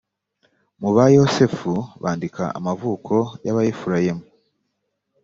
mu bayosefu bandika amavuko y abefurayimu